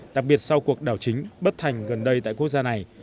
đặc biệt sau cuộc đảo chính bất thành gần đây tại quốc gia này